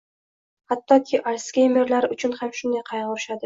hattoki Alsgeymerlar uchun ham shunday qayg‘urishadi.